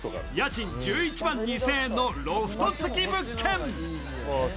家賃１１万２０００円のロフト付き物件。